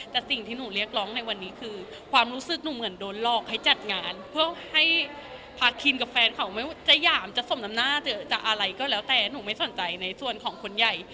แต่สิ่งที่หนูเรียกร้องในวันนี้คือความรู้สึกหนูเหมือนโดนหลอกให้จัดงานเพื่อให้พาคินกับแฟนเขาไม่ว่าจะหยามจะสมน้ำหน้าจะอะไรก็แล้วแต่หนูไม่สนใจในส่วนของคนใหญ่